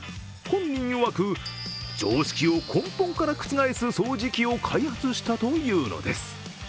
本人いわく、常識を根本から覆す掃除機を開発したというのです。